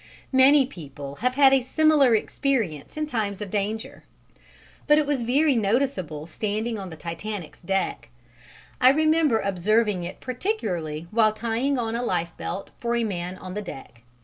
Many people have had a similar experience in times of danger, but it was very noticeable standing on the Titanic's deck. I remember observing it particularly while tying on a lifebelt for a man on the deck.